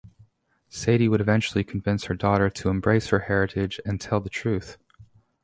Sadie would eventually convince her daughter to embrace her heritage and tell the truth.